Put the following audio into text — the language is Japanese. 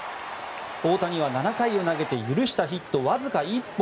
大谷は７回を投げて許したヒットわずか１本。